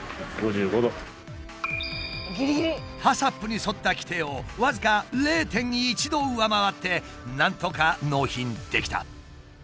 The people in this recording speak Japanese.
ＨＡＣＣＰに沿った規定を僅か０．１℃上回ってなんとか納品できた。